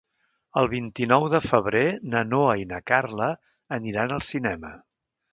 El vint-i-nou de febrer na Noa i na Carla aniran al cinema.